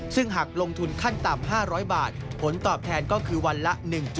ซึ่งหากลงทุนขั้นต่ำ๕๐๐บาทผลตอบแทนก็คือวันละ๑๗